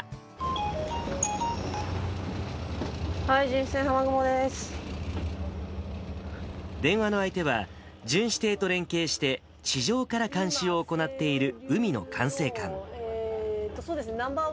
はい、電話の相手は、巡視艇と連携して、地上から監視を行っている海の管制官。